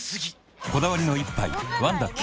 こだわりの一杯「ワンダ極」